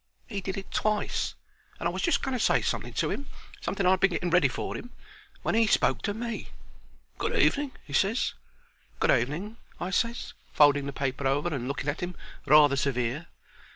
He did it twice, and I was just going to say something to 'im, something that I 'ad been getting ready for 'im, when he spoke to me. "Good evening," he ses. "Good evening," I ses, folding the paper over and looking at 'im rather severe.